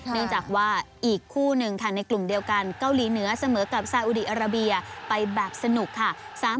เนื่องจากว่าอีกคู่หนึ่งค่ะในกลุ่มเดียวกันเกาหลีเหนือเสมอกับซาอุดีอาราเบียไปแบบสนุกค่ะ